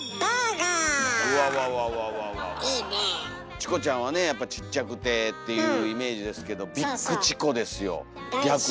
チコちゃんはねやっぱちっちゃくてっていうイメージですけど「ＢＩＧＣＨＩＣＯ」ですよ逆の。